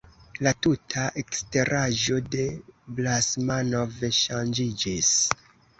La tuta eksteraĵo de Basmanov ŝanĝiĝis.